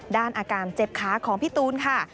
อาการเจ็บขาของพี่ตูนค่ะ